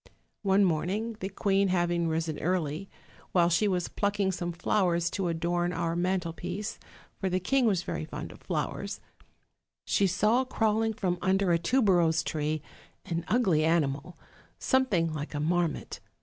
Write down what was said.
One morn ing, the queen having risen early, while she was plucking some flowers to adorn our mantelpiece, for the king was very fond of flowers, she saw crawling from under a tuberose tree an ugly animal, something like a marmot.